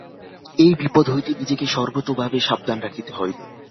এই বিপদ হইতে নিজেকে সর্বতোভাবে সাবধান রাখিতে হইবে।